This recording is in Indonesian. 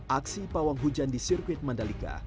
aksi pawang hujan di sirkuit mandalika